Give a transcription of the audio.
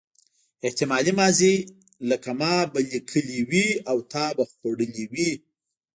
احتمالي ماضي لکه ما به لیکلي وي او تا به خوړلي وي.